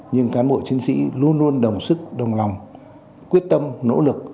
nhưng cán bộ chiến sĩ luôn luôn đồng sức đồng lòng quyết tâm nỗ lực